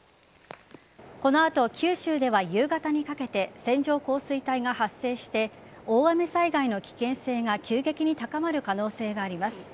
この後、九州では夕方にかけて線状降水帯が発生して大雨災害の危険性が急激に高まる可能性があります。